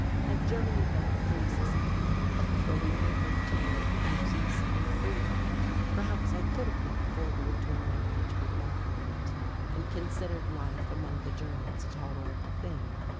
Had Germany been a free society where we might hope to live in peace and freedom perhaps I could have looked forward to a marriage with Marguerite and considered life among the Germans a tolerable thing.